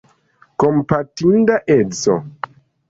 Kompatinda edzo!